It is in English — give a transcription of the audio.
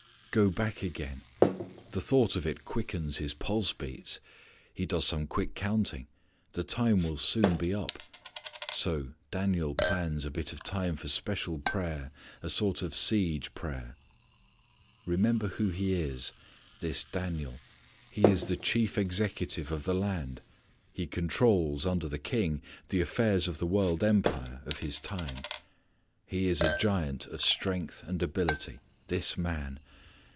Go back again! The thought of it quickens his pulse beats. He does some quick counting. The time will soon be up. So Daniel plans a bit of time for special prayer, a sort of siege prayer. Remember who he is this Daniel. He is the chief executive of the land. He controls, under the king, the affairs of the world empire of his time. He is a giant of strength and ability this man.